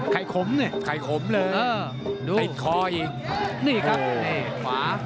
ไข่ขมเนี่ยไข่ขมเลยไข่คออีก